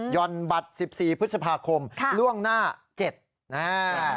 ย่อนบัตรสิบสี่พฤษภาคมค่ะล่วงหน้าเจ็ดนะฮะ